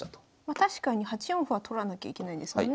確かに８四歩は取らなきゃいけないですもんね